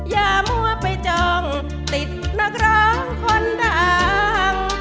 อย่ามัวไปจองติดนักร้องคนดัง